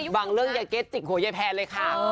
บางเรื่องอย่างไงเกล็สอยู่กับโหยายแพนเลยค่ะ